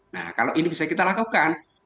nah kalau ini bisa kita lakukan